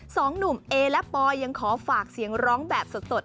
สองหนุ่มเอและปอยยังขอฝากเสียงร้องแบบสด